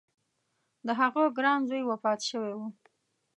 د هغه ګران زوی وفات شوی و.